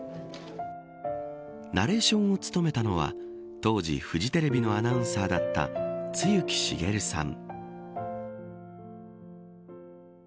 ナレーションを務めたのは当時、フジテレビのアナウンサーだった露木茂さん。